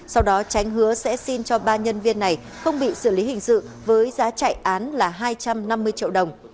sau đó tránh hứa sẽ xin cho ba nhân viên này không bị xử lý hình sự với giá chạy án là hai trăm năm mươi triệu đồng